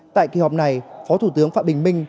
tại kỳ họp này phó thủ tướng phạm bình minh